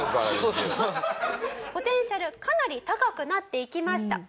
ポテンシャルかなり高くなっていきました。